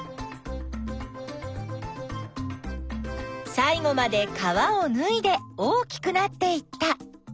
さい後まで皮をぬいで大きくなっていった。